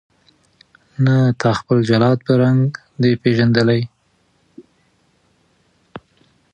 نه تا خپل جلاد په رنګ دی پیژندلی